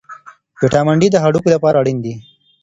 ویټامن ډي د هډوکو لپاره اړین دی.